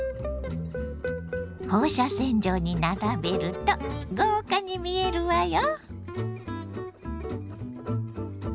放射線状に並べると豪華に見えるわよ！